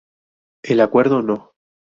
El Acuerdo No.